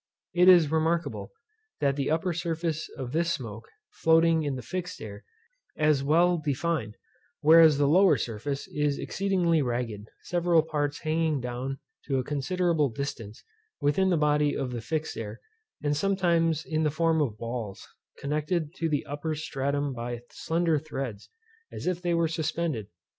It is remarkable, that the upper surface of this smoke, floating in the fixed air, is smooth, and well defined; whereas the lower surface is exceedingly ragged, several parts hanging down to a considerable distance within the body of the fixed air, and sometimes in the form of balls, connected to the upper stratum by slender threads, as if they were suspended.